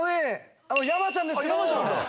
山ちゃんですけど。